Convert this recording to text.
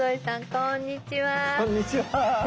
こんにちは。